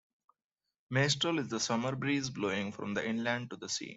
Maestral is the summer breeze blowing from the inland to the sea.